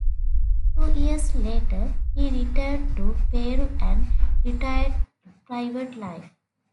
Two years later he returned to Peru and retired to private life.